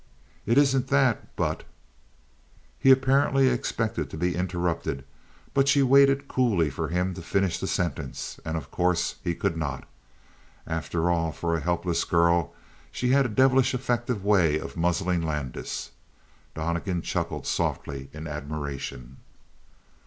"It isn't that, but " He apparently expected to be interrupted, but she waited coolly for him to finish the sentence, and, of course, he could not. After all, for a helpless girl she had a devilish effective way of muzzling Landis. Donnegan chuckled softly in admiration.